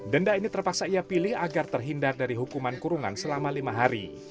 denda ini terpaksa ia pilih agar terhindar dari hukuman kurungan selama lima hari